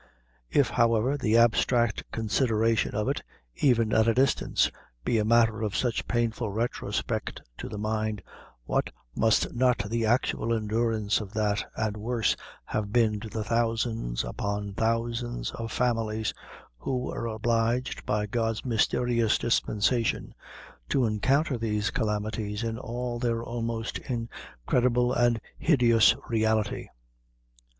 If, however, the abstract consideration of it, even at a distance, be a matter of such painful retrospect to the mind, what must not the actual endurance of that and worse have been to the thousands upon thousands of families who were obliged, by God's mysterious dispensation, to encounter these calamities in all their almost incredible and hideous reality.